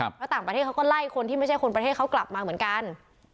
เพราะต่างประเทศเขาก็ไล่คนที่ไม่ใช่คนประเทศเขากลับมาเหมือนกัน